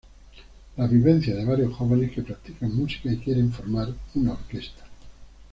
Las vivencias de varios jóvenes que practican música y quieren formar una orquesta.